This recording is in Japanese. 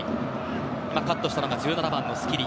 今カットしたのが１７番、スキリ。